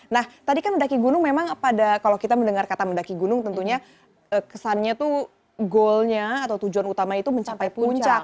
nah tadi kan mendaki gunung memang pada kalau kita mendengar kata mendaki gunung tentunya kesannya tuh goalnya atau tujuan utama itu mencapai puncak